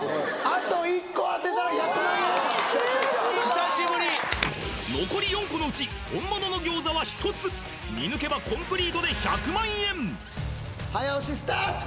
あときたきたきた久しぶり残り４個のうち本物の餃子は１つ見抜けばコンプリートで１００万円早押しスタート！